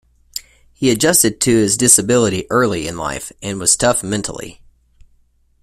He adjusted to his disability early in life, and was tough mentally.